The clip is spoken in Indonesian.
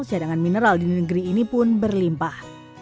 cadangan mineral di negeri ini pun berlimpah